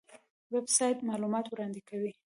ویب سایټ معلومات وړاندې کوي